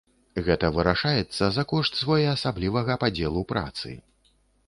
Гэта вырашаецца за кошт своеасаблівага падзелу працы.